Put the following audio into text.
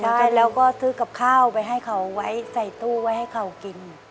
เสร็จแล้วก็ซื้อกับข้าวไปให้เขาไว้ใส่ตู้ไว้ให้เขากิน